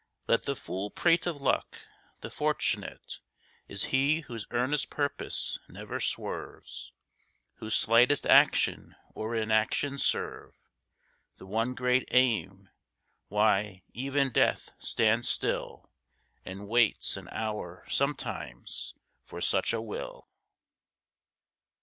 Let the fool prate of luck. The fortunate Is he whose earnest purpose never swerves, Whose slightest action or inaction serve. The one great aim. Why, even Death stands still, And waits an hour sometimes for such a will.